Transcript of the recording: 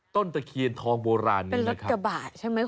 ต้นตะเคียนทองโบราณนี้นะครับ